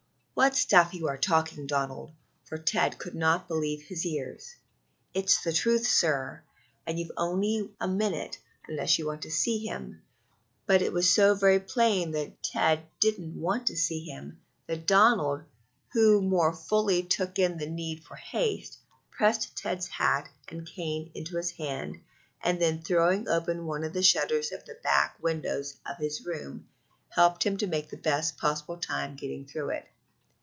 "What stuff you are talking, Donald," for Ted could not believe his ears. "It's the truth, sir, and you've only a minute, unless you want to see him but it was so very plain that Ted didn't want to see him, that Donald, who more fully took in the need for haste, pressed Ted's hat and cane into his hand, and then throwing open one of the shutters of the back windows of his room, helped him to make the best possible time getting through it.